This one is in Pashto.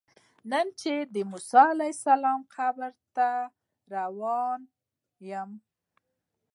نن چې د موسی علیه السلام قبر ته روان یم.